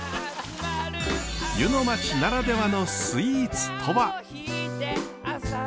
湯の町ならではのスイーツとは？